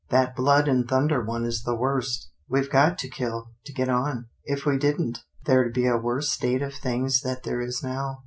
That blood and thunder one is the worst. We've got to kill, to get on. If we didn't, there'd be a worse state of things than there is now.